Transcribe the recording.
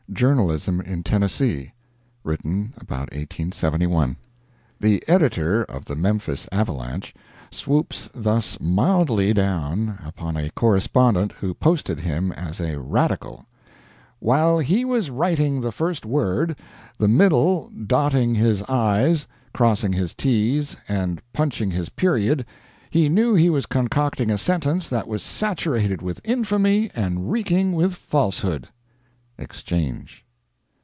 JOURNALISM IN TENNESSEE [Written about 1871.] The editor of the Memphis Avalanche swoops thus mildly down upon a correspondent who posted him as a Radical: "While he was writing the first word, the middle, dotting his i's, crossing his t's, and punching his period, he knew he was concocting a sentence that was saturated with infamy and reeking with falsehood." Exchange.